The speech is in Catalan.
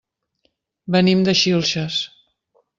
Venim de Xilxes.